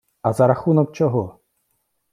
А за рахунок чого?